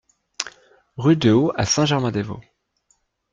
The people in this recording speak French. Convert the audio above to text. Rue de Haut à Saint-Germain-des-Vaux